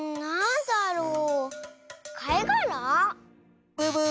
んなんだろう。